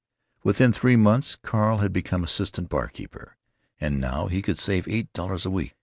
Within three months Carl had become assistant bar keeper, and now he could save eight dollars a week.